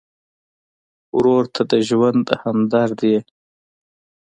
ورور ته د ژوند همدرد یې.